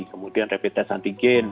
kemudian rapid test anti gain